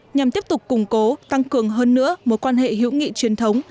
nhằm tiếp tục củng cố tăng cường hơn nữa mối quan hệ hữu nghị truyền thống